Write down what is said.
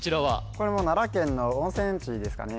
これも奈良県の温泉地ですかね